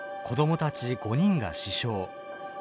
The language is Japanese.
子どもたち５人が死傷。